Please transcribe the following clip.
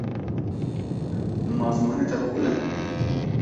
Ma zimanê te bi kul e.